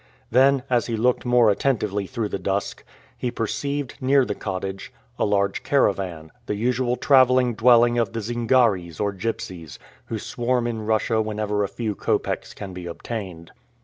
Then, as he looked more attentively through the dusk, he perceived, near the cottage, a large caravan, the usual traveling dwelling of the Zingaris or gypsies, who swarm in Russia wherever a few copecks can be obtained.